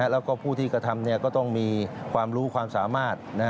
แล้วก็ผู้ที่กระทำก็ต้องมีความรู้ความสามารถ